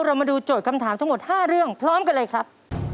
มาดูโจทย์คำถามทั้งหมด๕เรื่องพร้อมกันเลยครับ